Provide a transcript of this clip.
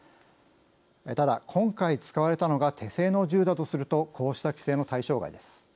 ただ今回使われたのが手製の銃だとするとこうした規制の対象外です。